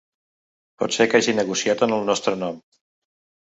Pot ser que hagi negociat en el nostre nom.